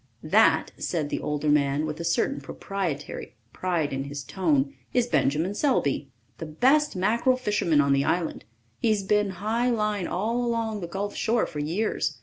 "That," said the older man, with a certain proprietary pride in his tone, "is Benjamin Selby the best mackerel fisherman on the island. He's been high line all along the gulf shore for years.